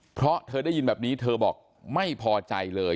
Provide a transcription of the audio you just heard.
เพราะเธอได้ยินแบบนี้เธอบอกไม่พอใจเลย